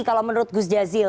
kalau menurut gus jazil